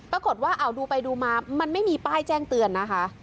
ปรากฏว่าเอาดูไปดูมามันไม่มีป้ายแจ้งเตือนนะคะ